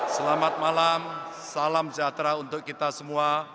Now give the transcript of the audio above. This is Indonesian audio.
selamat malam salam sejahtera untuk kita semua